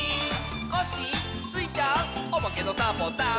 「コッシースイちゃんおまけのサボさん」